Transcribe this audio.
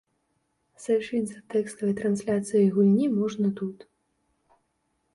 Сачыць за тэкставай трансляцыяй гульні можна тут.